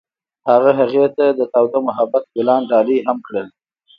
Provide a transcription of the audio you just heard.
هغه هغې ته د تاوده محبت ګلان ډالۍ هم کړل.